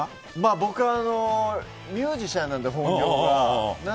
僕はミュージシャンなんで本業は。